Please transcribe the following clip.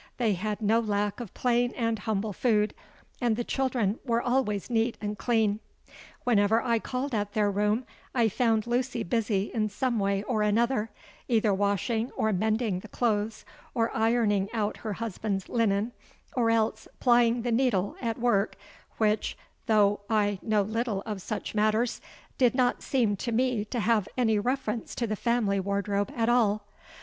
They had no lack of plain and humble food—and the children were always neat and clean. Whenever I called at their room, I found Lucy busy in some way or another—either washing or mending the clothes, or ironing out her husband's linen, or else plying the needle at work which, though I know little of such matters, did not seem to me to have any reference to the family wardrobe at all.